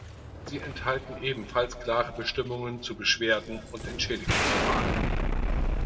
Sie enthalten ebenfalls klare Bestimmungen zu Beschwerden und Entschädigungsverfahren.